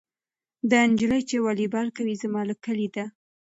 دا نجلۍ چې والیبال کوي زما له کلي ده.